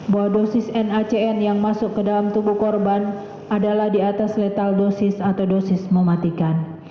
bahwa dosis nacn yang masuk ke dalam tubuh korban adalah di atas letal dosis atau dosis mematikan